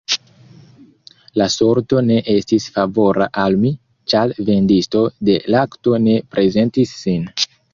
La sorto ne estis favora al mi, ĉar vendisto de lakto ne prezentis sin.